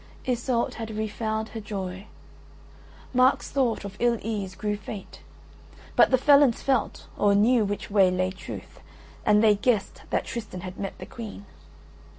Iseult had refound her joy. Mark's thought of ill ease grew faint; but the felons felt or knew which way lay truth, and they guessed that Tristan had met the Queen.